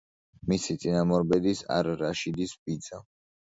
მისი წინამორბედის, არ-რაშიდის ბიძა.